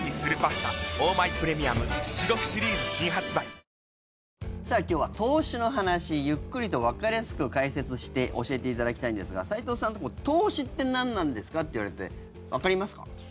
ペイトク今日は投資の話ゆっくりとわかりやすく解説して教えていただきたいんですが齊藤さん、投資って何なんですかって言われてわかりますか？